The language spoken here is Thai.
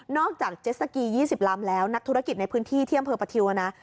นอกจากเจสสะกี๒๐ลำแล้วนักธุรกิจในพื้นที่เที่ยมเผอร์ปะทิวนะ